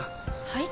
はい？